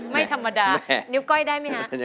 ไม่ธรรมดานิ้วก้อยได้ไหมฮะ